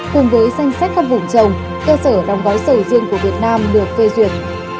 cùng với danh sách khắp vùng trồng cơ sở đồng gói sầu riêng của việt nam được phê duyệt